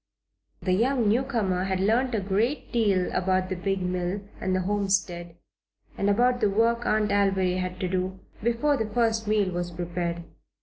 The young newcomer had learned a great deal about the big mill and the homestead, and about the work Aunt Alviry had to do, before the first meal was prepared.